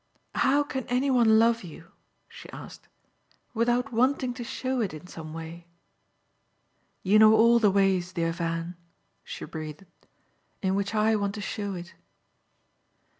"How can any one love you," she asked, "without wanting to show it in some way? You know all the ways, dear Van," she breathed, "in which I want to show it."